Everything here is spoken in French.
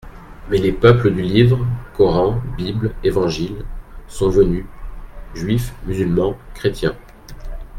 Mais les peuples du Livre (Coran, Bible, Évangile) sont venus : juifs, musulmans, chrétiens.